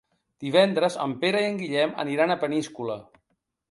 Divendres en Pere i en Guillem aniran a Peníscola.